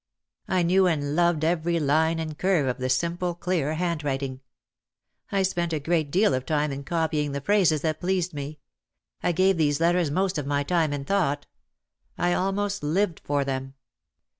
I knew and loved every line and curve of the simple, clear handwriting. I spent a great deal of time in copying the phrases that pleased me. I gave these letters most of my time and thought. I almost lived for them.